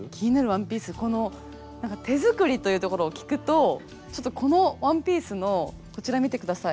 この手作りというところを聞くとちょっとこのワンピースのこちら見て下さい。